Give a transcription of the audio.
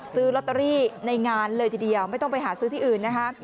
ซื้อลอตเตอรี่ในงานเลยทีเดียวไม่ต้องไปหาซื้อที่อื่นนะคะ